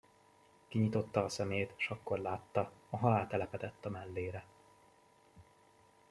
Kinyitotta a szemét, s akkor látta: a halál telepedett a mellére.